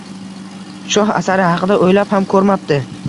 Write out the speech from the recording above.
Shoh asari haqida o‘ylab ham ko‘rmabdi.